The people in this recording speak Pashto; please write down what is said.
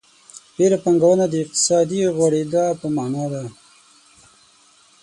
ډېره پانګونه د اقتصادي غوړېدا په مانا ده.